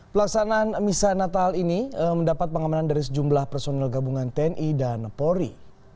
pelaksanaan misa natal ini mendapat pengamanan dari sejumlah personel gabungan tni dan polri